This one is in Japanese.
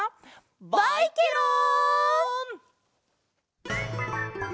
バイケロン！